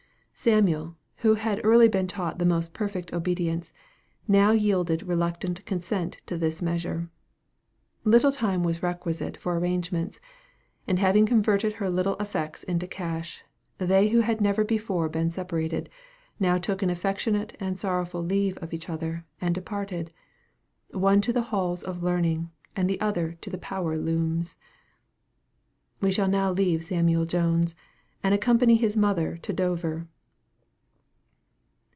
Samuel, who had early been taught the most perfect obedience, now yielded reluctant consent to this measure. Little time was requisite for arrangements; and having converted her little effects into cash, they who had never before been separated, now took an affectionate and sorrowful leave of each other, and departed the one to the halls of learning, and the other to the power looms. We shall now leave Samuel Jones, and accompany his mother to Dover.